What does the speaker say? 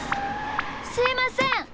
すいません。